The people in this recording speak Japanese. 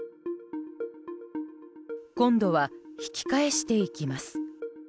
今度は引き返していきます。